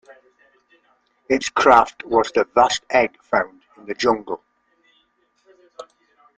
Its craft was the vast egg found in the jungle.